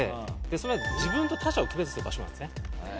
それは自分と他者を区別する場所なんですね。